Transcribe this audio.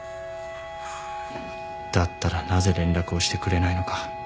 だったらなぜ連絡をしてくれないのか。